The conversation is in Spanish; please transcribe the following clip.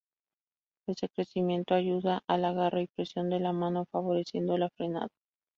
Ese crecimiento ayuda al agarre y presión de la mano favoreciendo la frenada.